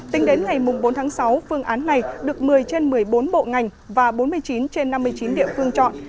tính đến ngày bốn tháng sáu phương án này được một mươi trên một mươi bốn bộ ngành và bốn mươi chín trên năm mươi chín địa phương chọn